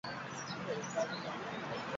Zer atera daiteke gaizki lehenengo zitan?